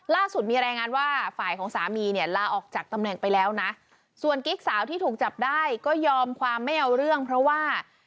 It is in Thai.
ล่าสุดมีรายงานว่าฝ่ายของสามีเนี่ยลาออกจากตำแหน่งไปแล้วนะส่วนกิ๊กสาวที่ถูกจับได้ก็ยอมความไม่เอาเรื่องเพราะว่า